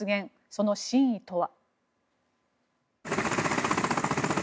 その真意とは。